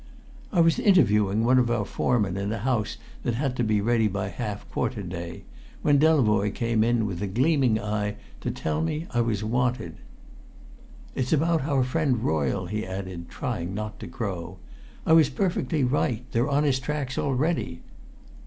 I was interviewing one of our foremen in a house that had to be ready by half quarter day, when Delavoye came in with a gleaming eye to tell me I was wanted. "It's about our friend Royle," he added, trying not to crow. "I was perfectly right. They're on his tracks already!"